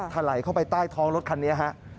ถลายเข้าไปใต้ท้องรถคันนี้ฮะ